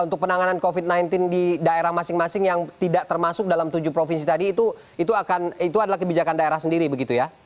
untuk penanganan covid sembilan belas di daerah masing masing yang tidak termasuk dalam tujuh provinsi tadi itu adalah kebijakan daerah sendiri begitu ya